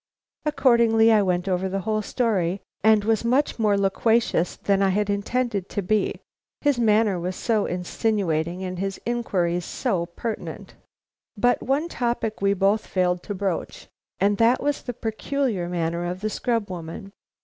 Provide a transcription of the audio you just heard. Accordingly I went over the whole story, and was much more loquacious than I had intended to be, his manner was so insinuating and his inquiries so pertinent. But one topic we both failed to broach, and that was the peculiar manner of the scrub woman.